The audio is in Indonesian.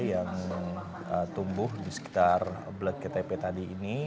yang tumbuh di sekitar bktp tadi ini